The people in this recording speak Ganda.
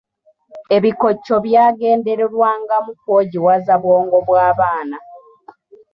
Ebikoco byagendererwangamu kwogiwaza bwongo bw'abaana.